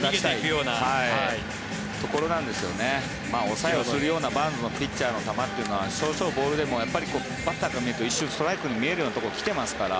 抑えをするようなバーンズのピッチャーの球というのは少々ボールでもバッターから見ると一瞬、ストライクに見えるようなところに来ていますから。